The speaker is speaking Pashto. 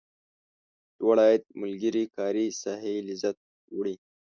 لوړ عاید ملګري کاري ساحې لذت وړي.